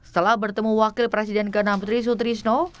setelah bertemu wakil presiden ke enam putri trisut trisno